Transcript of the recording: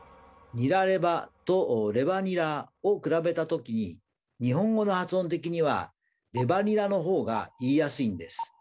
「ニラレバ」と「レバニラ」を比べた時に日本語の発音的には「レバニラ」の方が言いやすいんです。